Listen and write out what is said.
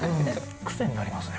癖になりますね